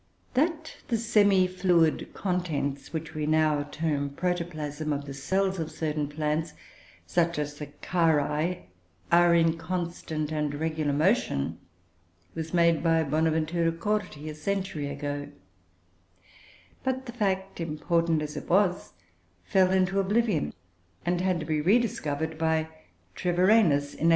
That the semi fluid contents (which we now term protoplasm) of the cells of certain plants, such as the Charoe are in constant and regular motion, was made out by Bonaventura Corti a century ago; but the fact, important as it was, fell into oblivion, and had to be rediscovered by Treviranus in 1807.